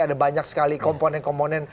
ada banyak sekali komponen komponen